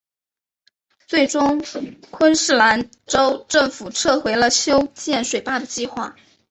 最终昆士兰州政府撤回了修建水坝的计划。